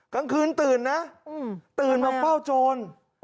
กลางคืนตื่นนะตื่นมาเฝ้าโจร